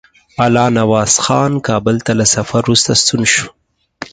الله نواز خان کابل ته له سفر وروسته ستون شو.